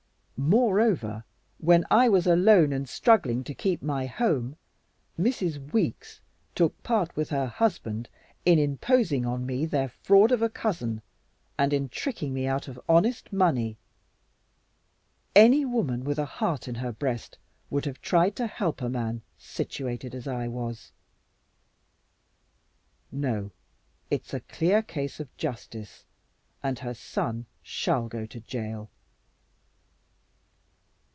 Moreover, when I was alone and struggling to keep my home, Mrs. Weeks took part with her husband in imposing on me their fraud of a cousin and in tricking me out of honest money. Any woman with a heart in her breast would have tried to help a man situated as I was. No, it's a clear case of justice, and her son shall go to jail."